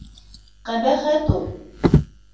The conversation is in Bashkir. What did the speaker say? Ҡәбәхәт ул!